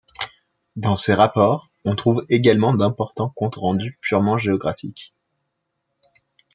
Dans ses rapports, on trouve également d'importants comptes rendus purement géographiques.